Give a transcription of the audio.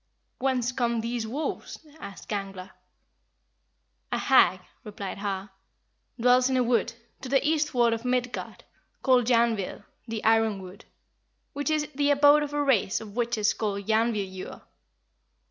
"Whence come these wolves?" asked Gangler. "A hag," replied Har, "dwells in a wood, to the eastward of Midgard, called Jarnvid, (the Iron Wood,) which is the abode of a race of witches called Jarnvidjur.